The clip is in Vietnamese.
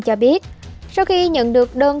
cho biết sau khi nhận được đơn